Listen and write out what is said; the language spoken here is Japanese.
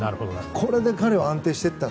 これで彼は安定していった。